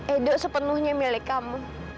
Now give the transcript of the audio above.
edo sepenuhnya milik kamu